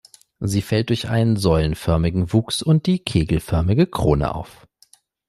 Sie fällt durch einen säulenförmigen Wuchs und die kegelförmige Krone auf.